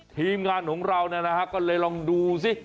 ทีมงานของเราก็เลยลองดูสิ